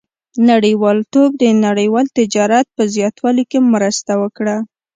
• نړیوالتوب د نړیوال تجارت په زیاتوالي کې مرسته وکړه.